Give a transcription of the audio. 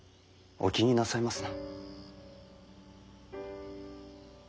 お気になさいますな？